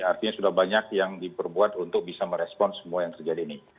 artinya sudah banyak yang diperbuat untuk bisa merespon semua yang terjadi ini